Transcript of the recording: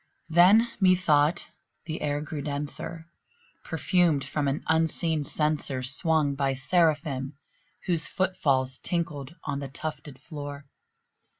Then, methought, the air grew denser, perfumed from an unseen censer Swung by Seraphim whose foot falls tinkled on the tufted floor.